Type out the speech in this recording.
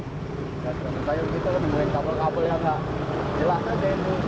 kita nemuin kabel kabel yang enggak jelas aja itu